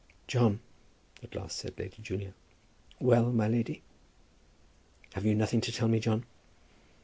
"John," at last said Lady Julia. "Well, my lady?" "Have you nothing to tell me, John?"